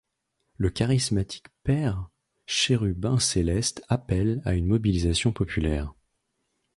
Le charismatique père Chérubin Céleste appelle à une mobilisation populaire.